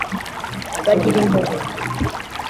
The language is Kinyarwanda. bagira impuhwe